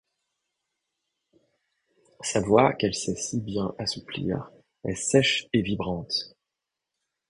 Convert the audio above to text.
Sa voix, qu’elle sait si bien assouplir, est sèche et vibrante.